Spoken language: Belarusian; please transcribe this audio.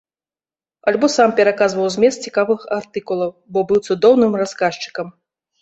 Альбо сам пераказваў змест цікавых артыкулаў, бо быў цудоўным расказчыкам.